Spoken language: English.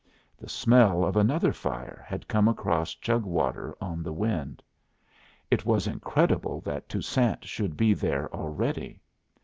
The smell of another fire had come across Chug Water on the wind. It was incredible that Toussaint should be there already.